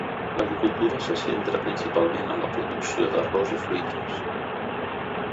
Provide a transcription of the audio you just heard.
L'agricultura se centra principalment en la producció d'arròs i fruites.